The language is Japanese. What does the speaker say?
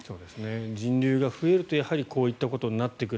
人流が増えると、やはりこういったことになってくる。